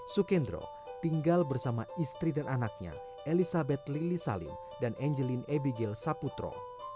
sukendro tinggal bersama istri dan anaknya elizabeth lili salim dan angelin abigail saputro